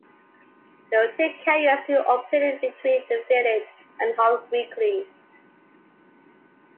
There were two carriers who operated between the village and Hull weekly.